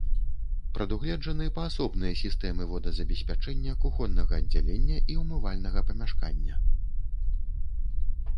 Прадугледжаны паасобныя сістэмы водазабеспячэння кухоннага аддзялення і умывальнага памяшкання.